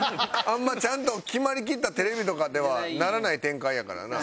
あんまちゃんと決まりきったテレビとかではならない展開やからな。